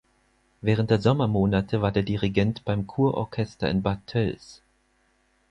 Während der Sommermonate war er Dirigent beim Kurorchester in Bad Tölz.